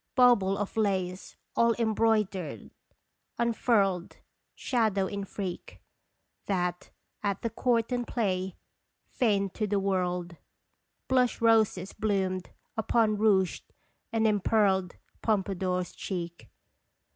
Bauble of lace all embroidered, unfurled Shadow in freak, That, at the court and play, feigned to the world Blush roses bloomed upon rouged and empearled Pompadour's cheek.